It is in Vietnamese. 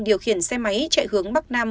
điều khiển xe máy chạy hướng bắc nam